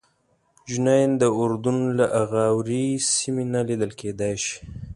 جنین د اردن له اغاورې سیمې نه لیدل کېدای شي.